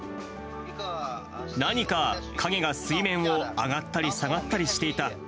何か影が水面を上がったり下がったりしていた。